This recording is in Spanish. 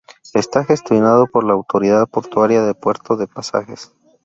Está gestionado por la autoridad portuaria del Puerto de Pasajes.